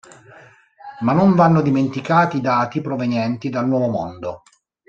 Ma non vanno dimenticati i dati provenienti dal Nuovo Mondo.